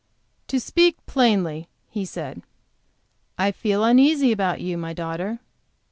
"To speak plainly," he said, "I feel uneasy about you, my daughter.